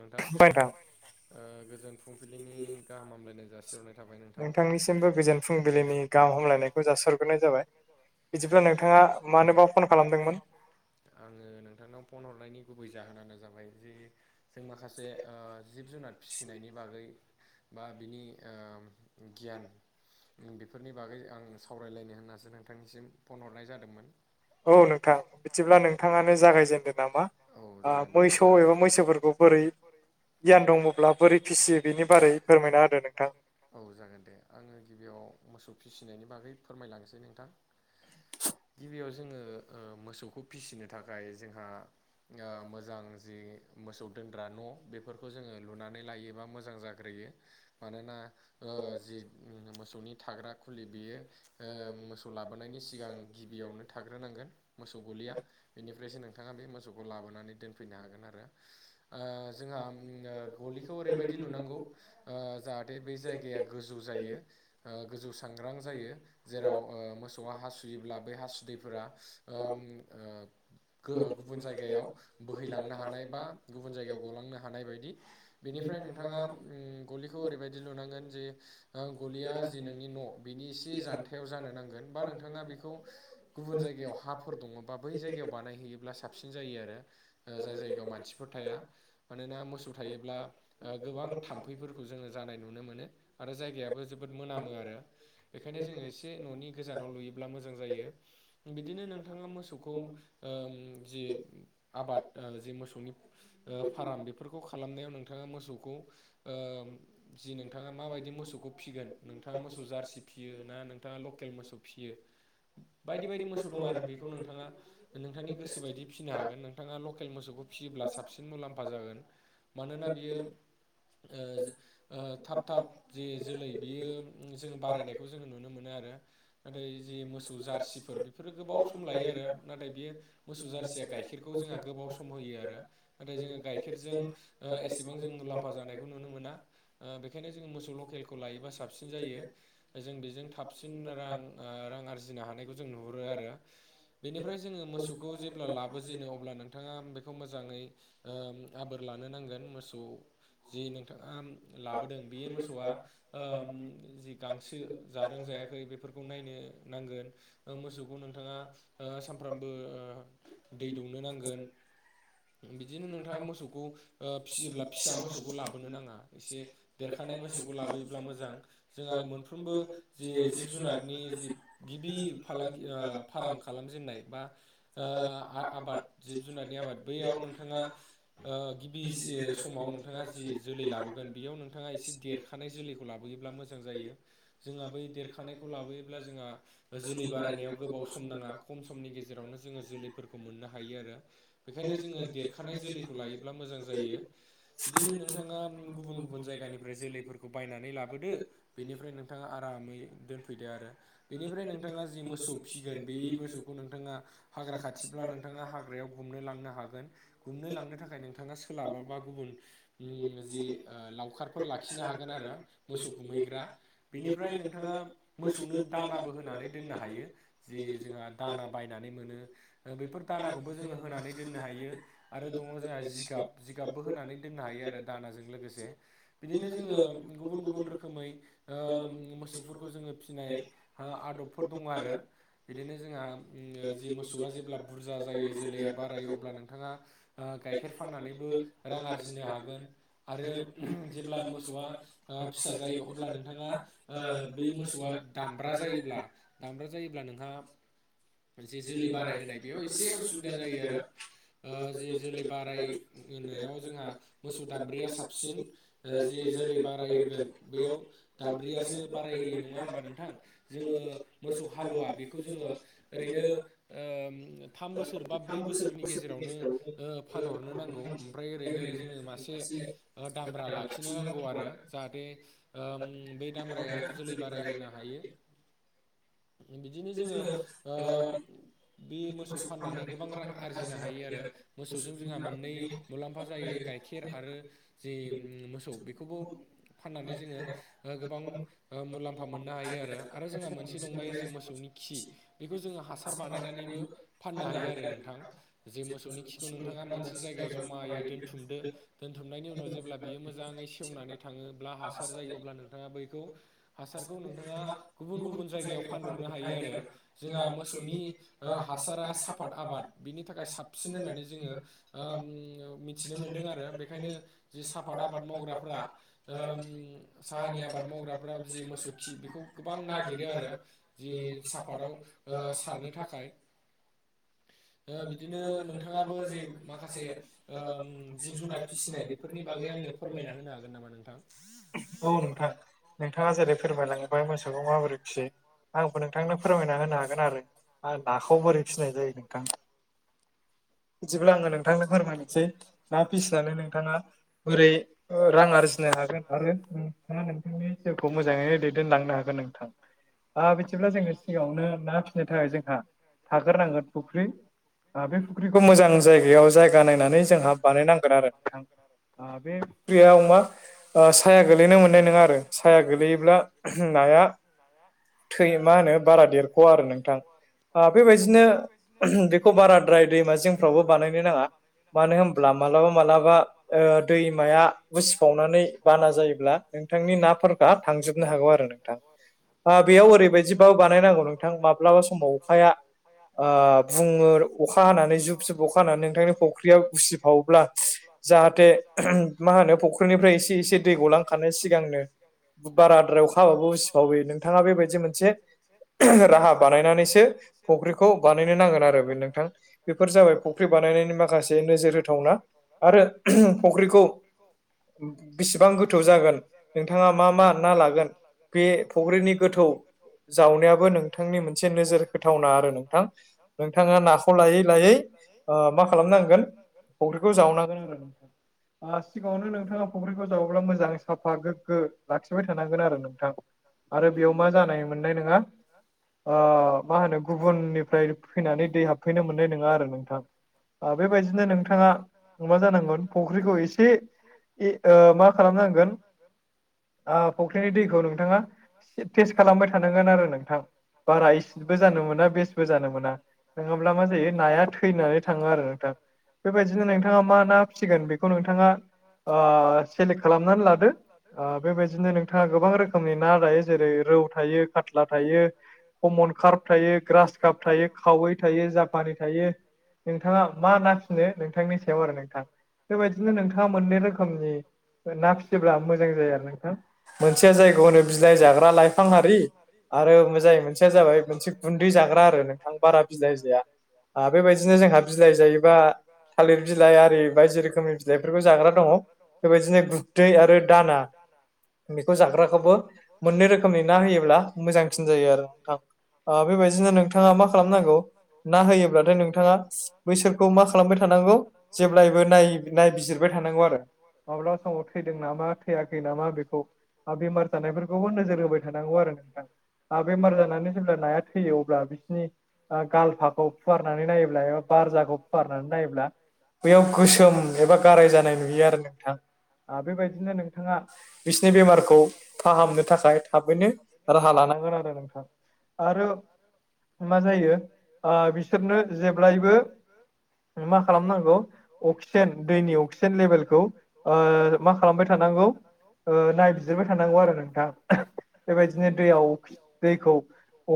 नोंथां [unintelligible] ओ गोजोन फुंबिलिनि गाहाम हामलायनाय जासिहरनाय थाबाय नोंथां। नोंथांनिसिमबो गोजोन फुंबिलिनि गाहाम हामलायनायखौ जासि हरगोरनाय जाबाय बिदिब्ला नोंथाङा मानोबा फन खालामदोंमोन? आङो नोंथांनाव फन हरनायनि गुबै जाहोनानो जाबाय जे जों माखासे ओ जिब जुनार फिसिनायनि बागै बा बिनि ओ गियान बेफोरनि बागै आं सावरायलायनो होननासो नोंथांनिसिम फन हरनाय जादोंमोन। औ नोंथां बिदिब्ला नोंथाङानो जागायजेनदो नामा औ जागोन दे मोसौ नोंथां। एबा मैसोफोरखौ बोरै गियान दङब्ला बोरै फिसियो बेनि बारै फोरमायना होदो नोंथां। औ जागोन दे आङो गिबियाव मोसौ फिसिनायनि बागै फोरमायलांनोसै नोंथां। गिबियाव जोङो मोसौखौ फिसिनो थाखाय जोंहा मोजां जि मोसौ दोनग्रा न' बेफोरखौ जोङो लुनानै लायोबा मोजां जाग्रोयो मानोना ओ जि मोसौनि थाग्रा खुलि बेयो मोसौ लाबोनायनि सिगां गिबियावनो थाग्रोनांगोन मोसौ गलिया बेनि ओमफ्रायसो नोंथाङा बे मोसौखौ लाबोनानै दोनफैनो हागोन आरो। जोंहा गलिखौ ओरैबायदि लुनांगौ। जाहाथे बै जायगाया गोजौ जायो गोजौ सांग्रां जायो। जेराव मोसौआ हासुयोब्ला बै हासुदैफोरा गुबुन जायगायाव बोहैलांनो हानाय बा गुबुन जायगायाव गलांनो हानाय बायदि बेनिफ्राय नोंथाङा गलिखौ ओरैबायदि लुनांगोन जे गलिया जि नोंनि न' बिनि एसे जान्थायाव जानो नांगोन बा नोंथाङा बेखौ गुबुन जायगायाव हाफोर दङ बा बै जायगायाव बानायहैयोब्ला साबसिन जायो आरो। जाय जायगायाव मानसिफोर थाया मानोना मोसौ थायोब्ला गोबां थाम्फैफोरखौ जोङो जानाय नुनो मोनो आरो जायगायाबो जोबोद मोनामो आरो। बेखायनो जोङो एसे न'नि गोजानाव लुयोब्ला मोजां जायो। बिदिनो नोंथाङा मोसौखौ जि आबाद जि मोसौनि फार्म बेफोरखौ खालामनायाव नोंथाङा मोसौखौ जि नोंथाङा माबायदि मोसौखौ फिगोन नोंथाङा मोसौ जार्सि फियो ना नोंथाङा लकेल मोसौ फिसियो। बायदि बायदि मोसौ दं आरो बेखौ नोंथाङा नोंथांनि गोसो बायदि फिनो हागोन नोंथाङा लकेल मोसौखौ फिसियोब्ला साबसिन मुलाम्फा जागोन। मानोना बियो। थाब थाब जे जोलै बेयो जोङो बारायनायखौ जोङो नुनो मोनो आरो। नाथाय जि मोसौ जारसिफोर बेफोरो गोबाव सम लायो आरो नाथाय बेयो मोसौ जारसिया गायखेर गाइखेरखौ जोंहा गोबाव सम होयो आरो नाथाय जोङो गाइखेरजों एसेबां जों मुलाम्फा जानाय बेखौ नुनो मोना बेखायनो जोङो मोसौ लकेलखौ लायोबा साबसिन जायो। जों बेजों थाबसिन रां रां आरजिनो हानायखौ जों नुहुरो आरो। बेनिफ्राय जोङो मोसौखौ जेब्ला लाबोजेनो अब्ला नोंथाङा बेखौ मोजाङै आबोर लानो नांगोन मोसौ। जि नोंथाङा लाबोदों बे मोसौआ। जि गांसो जादों जायाखै बेफोरखौ नायनो नांगोन। मोसौखौ नोंथाङा सानफ्रामबो दै दौनो नांगोन। बिदिनो नोंथाङा मोसौखौ फिसियोब्ला फिसा मोसौखौ लाबोनो नाङा एसे देरखानाय मोसौखौ लाबोयोब्ला मोजां जोंहा मोनफ्रोमबो जि जिब जुनारनि जि गिबि फालांगि फाराम खालामजेननाय बा आबाद जिब जुनारनि आबाद बैयाव नों नोंथाङा गिबि समाव नोंथाङा जि जोलै लाबोगोन बेयाव नोंथां नोंथाङा एसे देरखानाय जोलैखौ लाबोयोब्ला मोजां जायो। जोंहा बै देरखानायखौ लाबोयोब्ला जोंहा जोलै बारायनायाव गोबाव सम नाङा खम समनि गेजेरावनो जोङो जोलैफोरखौ मोननो हायो आरो। बेखायनो जोङो देरखानाय जोलैखौ लायोब्ला मोजां जायो बिदिनो नोंथाङा गुबुन गुबुन जायगानिफ्राय जोलैफोरखौ बायनानै लाबोदो बेनिफ्राय नोंथाङा आरामै दोनफैदो आरो। बेनिफ्राय नोंथाङा जि मोसौ फिसिगोन बे मोसौखौ नोंथाङा हाग्रा खाथिब्ला नोंथाङा हाग्रायाव गुमनो लांनो हागोन। गुमनो लांनो थाखाय नोंथाङा सोलाबा बा गुबुन जि जि लावखारफोर लाखिनो हागोन आरो मोसौ गुमहैग्रा। बेनिफ्राय नोंथाङा मोसौनो दानाबो होनानै दोननो हायो। जि जोंहा दाना बायनानै मोनो बेफोर दानाखौबो जोंङो होनानै दोननो हायो। आरो दङ जोंहा जिगाब जिगाबबो होनानै दोननो हायो आरो दानाजों लोगोसे। बिदिनो जोंङो गुबुन गुबुन रोखोमै ओ मोसौफोरखौ जोंङो फिनाय ओ आदबफोर दङ आरो। बिदिनो जोंहा ओम मोसौआ जेब्ला बुरजा जायो जोलैया बारायो अब्ला नोंथाङा ओ गाइखेर फाननानैबो रां आरजिनो हागोन आरो जेब्ला मोसौआ ओ फिसा जायो अब्ला नोंथाङा ओ बे मोसौआ दामब्रा जायोब्ला दामब्रा जायोब्ला नोंथांङा जे जोलै बाराय होनाय बेयाव एसे उसुबिदा जायो आरो ओ जे जोलै बाराय होनायाव जोंहा मोसौ दाम्ब्रिया साबसिन जे जोलै बाराय होगोन बेयाव दामब्रियासो बारायहोयो नोंङा होमबा नोंथां। जोंङो मोसौ हालुवा बेखौ जोंङो ओरैनो ओम थाम बोसोर बा ब्रै बोसोरनि गेजेरावनो ओ फानहरनो नांगौ ओमफ्राय ओरैनो जोंङो मासे ओ दामब्रा लाखिनो नांगौ आरो जाहाथे ओम बे दामब्राया जोलै बारायहोनो हायो। बिदिनो जोंङो ओम बि मोसौ फाननानै गोबां रां आरजिनो हायो आरो मोसौजों जोंहा मोननै मुलाम फा जायो गाइखेर आरो जि मोसौ बेखौबो फाननानै जोंङो गोबां मुलाम्फा मोननो हायो आरो आरो जोंहा मोनसे दंबाय जे मोसौनि खि बेखौ जोंङो हासार बानायनानैबो फाननो हायो आरो नोंथां जे मोसौनि खि नोंथाङा मोनसे जायगायाव जमायै दोनथुमदो दोनथुमनायनि उनाव जेब्ला बियो मोजाङै सेवनानै थाङोब्ला हासार जायो अब्ला नोंथाङा बैखौ हासारखौ नोंथाङा गुबुन गुबुन जायगायाव फानहरनो हायो आरो। जोंहा मोसौनि हासारा साफाद आबाद बिनि थाखाय साबसिन होननानै जोंङो मिथिनो मोनदों आरो बेखायनो जि साफाद आबाद मावग्राफ्रा ओम साहानि आबाद मावग्राफ्रा जि मोसौ खि बेखौ गोबां नागिरो आरो। जि साफादाव ओ सारनो थाखाय बिदिनो नोंथां नोंथांङाबो जि माखासे ओम जिब जुनार फिसिनाय बेफोरनि बागै आंनो फोरमायना होनो हागोन नामा नोंथां। औ नोंथां नोंथाङा जेरै फोरमायलांबाय मोसौखौ माबोरै फियो आंबो नोंथांनो फोरमायना होनो हागोन आरो। आरो नाखौ बोरै फिसिनाय जायो नोंथां। बिदिब्ला आङो नोंथांनो फोरमायनोसै ना फिसिनानै नोंथाङा बोरै रां आरजिनो हागोन आरो नोंथाङा नोंथांनि जिउखौ मोजाङैनो दैदेनलांनो हागोन नोंथां। ओ बिदिब्ला जोंङो सिगाङावनो ना फिसिनो थाखाय जोंहा थागोरनांगोन फुख्रि बे फुख्रिखौ मोजां जायगायाव जायगा नायनानै जोंहा बानायनांगोन आरो। ओ बे फुख्रियाव मा ओ सा साया गोलैनो मोननाय नङा आरो साया गोगलैयोब्ला नाया थै मा होनो बारा देरख' आ आरो नोंथां। दाथ' बेबायदिनो बेखौ बेबायदिनोखौ बारा बाराद्राय दैमा बारा जिंफ्रावबो बानायनो नाङा मानाय [unintelligible] मानो होनब्ला मालाबा मालाबा ओ दैमाया उसिफावनानै बाना जायोब्ला नोंथांनि नाफोरा थांजोबनो हागौ आरो नोंथां। आ बेयाव ओरैबायदिबो बानायनांगौ नोंथां माब्लाबा समाव अखाया आ बुङो अखा हानानै जुब - जुब अखा हानानै नोंथांनि फुख्रियाव उसिफावोब्ला जाहाथे मा होनो फ'ख्रिनिफ्राय एसे एसे दै गलांखानाय सिगांनो बाराद्रायाव अखाहाबाबो उसिफाव नों नोंथाङा बेबायदि मोनसे राहा बानायनानैसो फुख्रिखौ बानायनो नांगोन आरो बे नोंथां। बेफोर जाबाय फख्रि बानायनायनि माखासे नोजोर होथावना आरो फख्रिखौ बेसेबां गोथौ जागोन नोंथाङा मा मा ना लागोन बे फुख्रिनि गोथौ जावनायाबो नोंथांनि मोनसे नोजोर [inaudible] होथावना आरो नोंथां [inaudible] आ मा खालामनांगोन फुख्रिखौ जावनांगोन आरो नोंथाङा सिगाङावनो नोंथाङा फ फुख्रिखौ जावोब्ला मोजां साफा गोगो लाखिबाय थानांगोन आरो नोंथां। आरो बेयाव मा जानाय मोननाय नङा आ‌ मा होनो गुबुननिफ्राय फैनानै दै हाबफैनो मोननाय नङा आरो नोंथां। आ बेबायदिनो नोंथाङा मा जानांगोन फुख्रिखौ एसे ए ओ मा खालामनांगोन आ फुख्रिनि दैखौ नोंथाङा टेस्ट खालामबाय थानांगोन आरो नोंथां। बारा इसेबो जानो मोना बेस्बो जानो मोना नङाब्ला मा जायो नाया थैनानै थाङो आरो नोंथां। बेबायदिनो नोंथाङा मा ना फिसिगोन बेखौ नोंथाङा आ सेलेक्ट खालामनानै लादो आ बेबायदिनो नोंथांङा गोबां रोखोमनि ना जायो। जेरै रौ थायो खत्ला थायो। कमल कार थायो ग्रास काब थायो खावै थायो जापानि थायो। नोंथाङा मा नाफिनो नोंथांनि सायाव आरो नोंथां। बेबायदिनो नोंथाङा मोननै रो रोखोमनि आ फिसियो मोजां जाया नोंथां मोनसे जाथोयानो बिलाइ जाग्रा बारा लाइफां हारि आरो मोजाङै मोनसेया जाबाय मोनसे गुन्दै जाग्रा आरो नोंथां बारा बिलाइ जाया। आ बेबायदिनो जोंहा बिलाइ जायोबा थालिर बिलाइ आरि बायदि रोखोमनि बिलाइफोरखौ जाग्रा दङ। बेबायदिनो गुन्दै आरो दाना बेखौ जाग्राखौबो मोननै रोखोमनि ना होयोब्ला मोजांसिन जायो आरो नोंथां। ओ‌ बेबायदिनो नोंथाङा मा खालामनांगौ ना होयोब्लाथाय नोंथाङा बैसोरखौ मा खालामबाय थानांगौ जेब्लायबो नाय‌ नायबिजिरबाय थानांगौ आरो। माब्ला समाव थैदों नामा थैयाखै नामा बेखौ बेमार जानायफोरखौ खौबो नोजोर होबाय थानांगौ आरो नोंथां। ओ बेमार जानानै जेब्ला नाया थैयो अब्ला बिसिनि ओ गालफाखौ फुवारनानै नायोब्ला बारजाखौ फुवारनानै नायोब्ला बेयाव गोसोम एबा गाराय जानाय नुयो आरो नों थां‌ आ बेबायदिनो नोंथाङा बिसिनि बेमारखौ फाहामनो थाखाय थाबैनो राहा लानांगोन आरो नोंथां आरो मा जायो ओ बिसोरनो जेब्लायबो [inaudible] मा खालामनांगौ अक्सिजेन दैनि अक्सिजेन लेभेलखौ ओ मा खालामबाय थानांगौ ओ नायबिजिरबाय थानांगौ आरो नोंथां। बेबायदिनो दैयाव दैखौ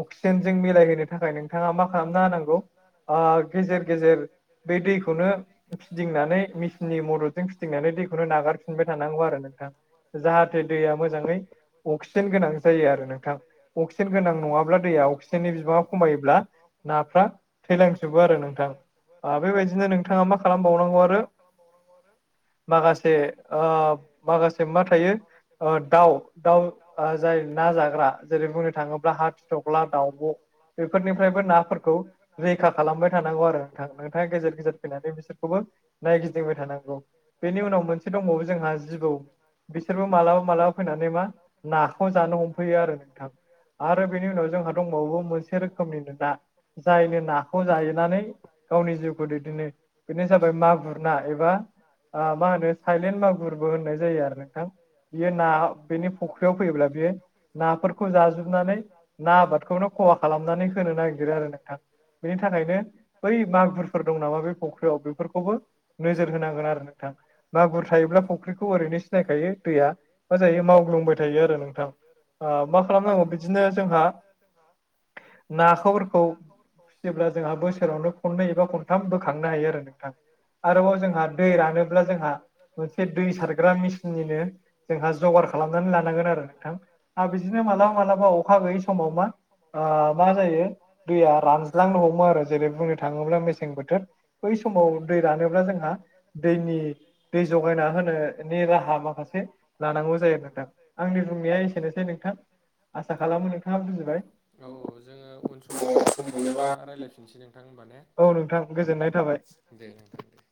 अक्सिजेनजों मिलायहोनो थाखाय नोंथाङा मा खालामना होनांगौ ओ गेजेर- गेजेर बे दैखौनो फिदिंनानै मेसिननि मददजों फिदिंनानै दैखौ बेखौनो नागारफिनबाय थानांगौ नोंथां जाहाथे मोजाङै अक्सिजेन गोनां जायो आरो नोंथां अक्सिजेन गोनां नङाब्ला दैया अक्सिजेननि बिबाङा खमायोब्ला नाफ्रा थैलांजोबो आरो नोंथां। आ बेबायदिनो नोंथाङा मा खालामबावनांगौ आरो। आरो। माखासे ओ माखासेमाथायो ओ दाउ। दाउ जाय ना जाग्रा जेरै बुंनो थाङोब्ला हादिदग्ला, दाउब'। बेफोरनिफ्रायबो नाफोरखौ रैखा खालागोन। थानांगौ आरो नोंथां नोंथां। गेजेर गेजेर फैनानै बिसोरखौबो नायगिदिंबाय थानांगौ। बेनि उनाव मोनसे दंबावो जोंहा जिबौ बिसोरबो मालाबा- मालाबा। फैनानै मा नाखौ जानो हमफैयो आरो नोंथां। आरो बेनि उनाव जोंहा दंबावो मोनसे रोखोमनिनो ना जायनो नाखौ जाहैनानै। गावनि जिउखौ दैदेननो बेनो जाबाय मागुरना एबा। आमाहोनो साइलेन्ड मागुरबो होननाय जायो आरो नोंथां बियो ना। बेनि फुख्रियाव फैयोब्ला बेयो। नाफोरखौ जाजोबनानै ना आबादखौनो खहा खालामनानै होनो नागिरो आरो नोंथां। बेनि थाखायनो बै मागुरफोर दं नामा बे फख्रियाव बेफोरखौबो नोजोर होनांगोन आरो। नोथां मागुर थायोब्ला फुख्रिखौ ओरैनो सिनायखायो दैया मा जायो माव ग्लुंबाय थायो आरो नोंथां मा खालामनांगौ बिदिनो जोंहा। नाखौफोरखौ। जेब्ला जोंहा बोसोरावनो खननै एबा खनथाम बोखांनो हायो आरो नोंथां। आरोबाव जोंहा दै रानोब्ला जोंहा मोनसे दै सारग्रा मेसिंनिनो। जोंहा जगार खालामनानै लानांगोन आरो नोंथां आ बिदिनो मालाबा मालाबा अखा गैयै समाव मा। ओ माजायो दैया रानज्ल्रानोहमो आरो जेरै बुंनो थाङोब्ला मेसें बोथोर। बै समाव दै रानोब्ला जोंहा दैनि। दै जगायना होनो नि राहा माखासे। लानांगौ जायो नोंथां। आंनि बुंनाया एसेनोसै नोंथां आसा खालामो नोंथाङा बुजिबाय। औ औ जोङो उन समाव सम मोनोबा रायलायफिनसै नोंथां होनबा ने। औ नोंथां गोजोननाय थाबाय। दे नोथां दे।